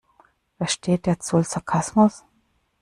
Versteht der Zoll Sarkasmus?